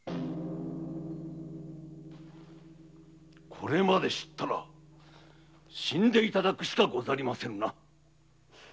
これまで知ったら死んでいただくしかござりませんな。